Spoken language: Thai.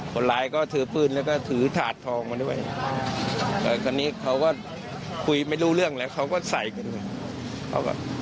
คนร้ายก็ถือปืนแล้วก็ถือถาดทองมาด้วยคราวนี้เขาก็คุยไม่รู้เรื่องแล้วเขาก็ใส่กันไง